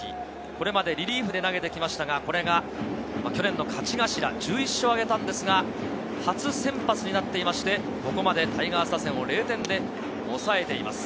これまでリリーフで投げてきましたが、これが去年の勝ち頭、１１勝をあげたんですが、初先発になっていまして、ここまでタイガース打線を０点で抑えています。